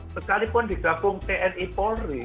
sekalipun digabung tni polri